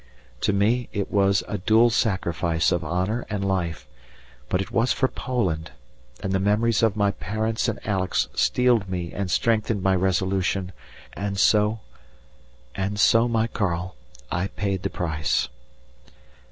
To me it was a dual sacrifice of honour and life, but it was for Poland, and the memories of my parents and Alex steeled me and strengthened my resolution, and so, and so, my Karl, I paid the price.